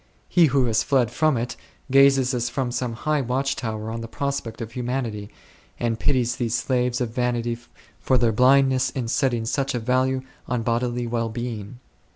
He who has fled from it gazes as from some high watch tower on the prospect of humanity, and pities these slaves of vanity for their blindness in setting such a value on bodily well being.